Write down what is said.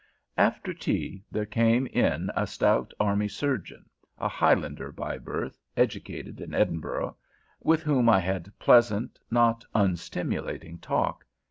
After tea, there came in a stout army surgeon, a Highlander by birth, educated in Edinburgh, with whom I had pleasant, not unstimulating talk.